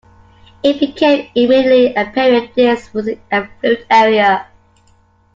It became immediately apparent this was an affluent area.